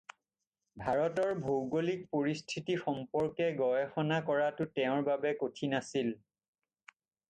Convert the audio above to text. ভাৰতৰ ভৌগোলিক পৰিস্থিতি সম্পৰ্কে গৱেষণা কৰাটো তেওঁৰ বাবে কঠিন আছিল।